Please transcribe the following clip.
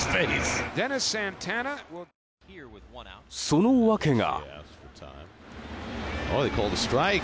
その訳が。